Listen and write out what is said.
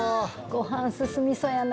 ご飯進みそうやな。